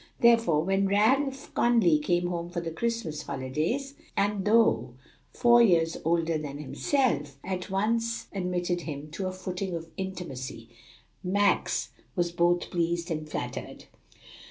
Therefore, when Ralph Conly came home for the Christmas holidays, and though four years older than himself, at once admitted him to a footing of intimacy, Max was both pleased and flattered.